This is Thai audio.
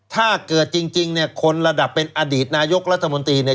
ถ้าเกิดจริงคนระดับเป็นอดีตนายกรัฐมนตรี